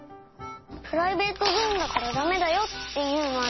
「プライベートゾーンだからだめだよ！」っていうのはどうかな？